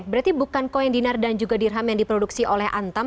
berarti bukan koin dinar dan juga dirham yang diproduksi oleh antam